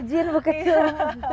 ujian bu ketum